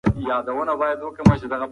که مارکر وي نو لیکنه نه تتېږي.